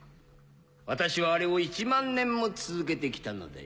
私はあれを１万年も続けてきたのだよ。